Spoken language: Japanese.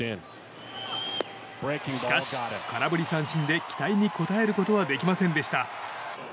しかし、空振り三振で期待に応えることはできませんでした。